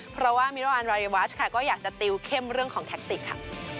เพราะว่ามิรวรรณรายวัชค่ะก็อยากจะติวเข้มเรื่องของแท็กติกค่ะ